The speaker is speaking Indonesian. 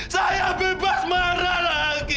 saya bebas marah lagi